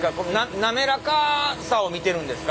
滑らかさを見てるんですか？